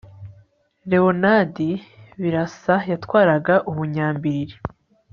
leonardi birasa yatwaraga ubunyambiriri